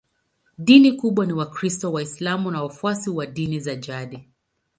Dini kubwa ni Wakristo, Waislamu na wafuasi wa dini za jadi.